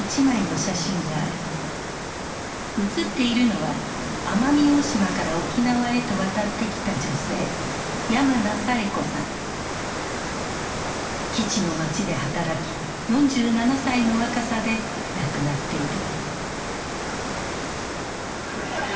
写っているのは奄美大島から沖縄へと渡ってきた女性基地の街で働き４７歳の若さで亡くなっている。